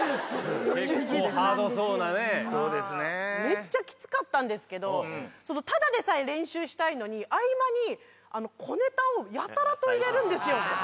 めっちゃきつかったんですけどただでさえ練習したいのに合間に小ネタをやたらと入れるんですよね。